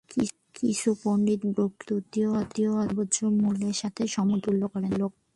কিছু পণ্ডিত ব্রহ্মকে তত্ত্বীয় অর্থে সর্বোচ্চ মূল্যের সাথে সমতুল্য করেন।